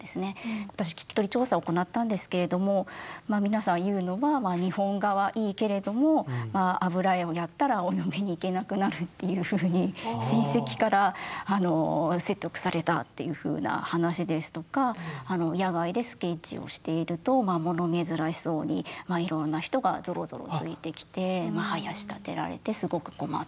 私聞き取り調査おこなったんですけれども皆さん言うのは日本画はいいけれども油絵をやったらお嫁に行けなくなるっていうふうに親戚から説得されたっていうふうな話ですとか野外でスケッチをしていると物珍しそうにいろんな人がぞろぞろついてきてはやしたてられてすごく困ったっていう。